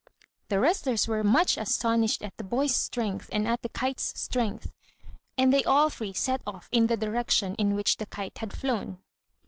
The wrestlers were much astonished at the boy's strength and at the kite's strength, and they all three set off in the direction in which the kite had flown.